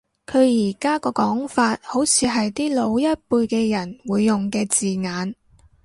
佢而家個講法好似係啲老一輩嘅人會用嘅字眼